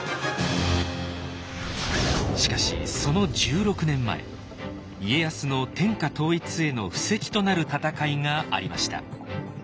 しかしその１６年前家康の天下統一への布石となる戦いがありました。